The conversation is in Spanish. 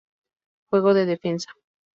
Jugó de defensa.